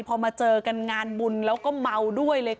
พอมาเจอกันงานบุญแล้วก็เมาด้วยเลยค่ะ